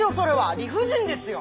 理不尽ですよ。